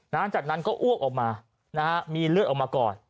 หลังจากนั้นก็อ้วกออกมานะฮะมีเลือดออกมาก่อน